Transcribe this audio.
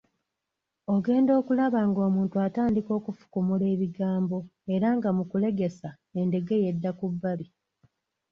Ogenda okulaba ng'omuntu atandika okufukumula ebigambo era nga mu kulegesa endegeya edda ku bbali.